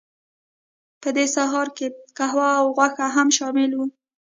په دې سهارنۍ کې قهوه او غوښه هم شامله وه